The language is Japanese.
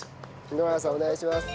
野永さんお願いします。